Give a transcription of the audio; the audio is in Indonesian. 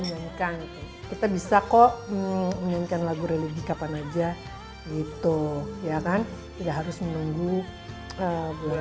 nyanyikan kita bisa kok menyanyikan lagu religi kapan aja gitu ya kan enggak harus menunggu bulan